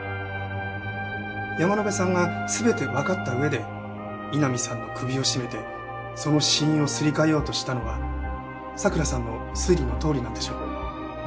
山野辺さんが全てわかった上で井波さんの首を絞めてその死因をすり替えようとしたのは佐倉さんの推理のとおりなんでしょう。